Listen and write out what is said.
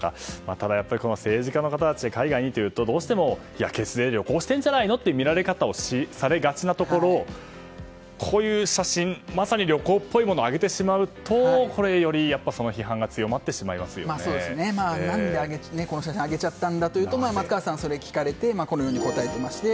ただ、やっぱり政治家の方たちが海外に行くとどうしても、血税で旅行しているんじゃないかという見られ方をされがちなところをこういう写真まさに旅行っぽいものを上げてしまうとより、その批判が何でこの写真を上げちゃったんだというと松川さん、それを聞かれてこのように答えていまして。